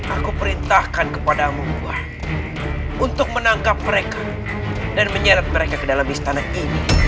aku perintahkan kepadamu buah untuk menangkap mereka dan menyeret mereka ke dalam istana ini